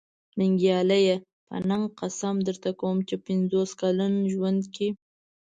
ننګياله! په ننګ قسم درته کوم چې په پنځوس کلن ژوند کې.